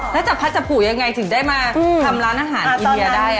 แล้วจับพัดจับผูยังไงถึงได้มาทำร้านอาหารอินเดียได้